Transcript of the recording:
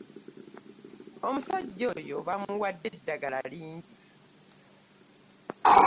Omusajja oyo baamuwadde eddala lingi.